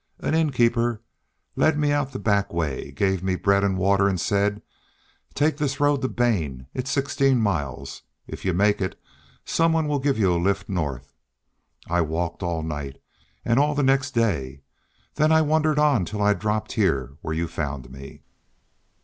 An innkeeper led me out the back way, gave me bread and water, and said: 'Take this road to Bane; it's sixteen miles. If you make it some one'll give you a lift North.' I walked all night, and all the next day. Then I wandered on till I dropped here where you found me."